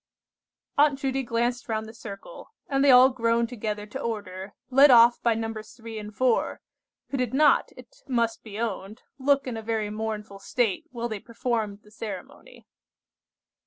Aunt Judy glanced round the circle, and they all groaned together to order, led off by Nos. 3 and 4, who did not, it must be owned, look in a very mournful state while they performed the ceremony.